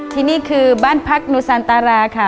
ที่นี่คือบ้านพักนูซานตาราค่ะ